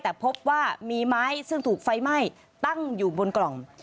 แต่พบว่ามีไม้ซึ่งถูกไฟไหม้ตั้งอยู่บนกล่อง